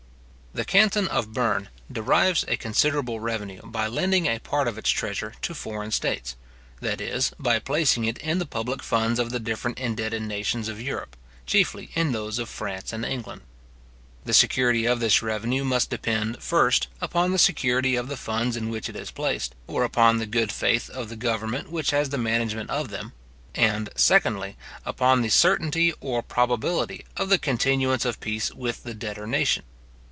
The canton of Berne derives a considerable revenue by lending a part of its treasure to foreign states, that is, by placing it in the public funds of the different indebted nations of Europe, chiefly in those of France and England. The security of this revenue must depend, first, upon the security of the funds in which it is placed, or upon the good faith of the government which has the management of them; and, secondly, upon the certainty or probability of the continuance of peace with the debtor nation.